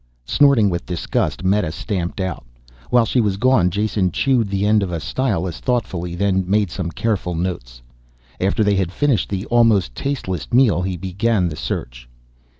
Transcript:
Snorting with disgust, Meta stamped out. While she was gone, Jason chewed the end of a stylus thoughtfully, then made some careful notes. After they had finished the almost tasteless meal he began the search.